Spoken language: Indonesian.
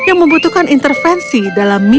yang membutuhkan intervensi dalam mimpi mereka